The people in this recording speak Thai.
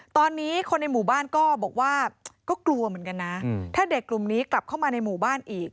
ถ้าเด็กกลุ่มนี้กลับเข้ามาในหมู่บ้านอีก